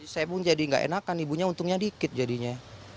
saya pun jadi nggak enakan ibunya untungnya dikit jadinya